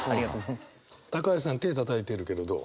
橋さん手たたいてるけどどう？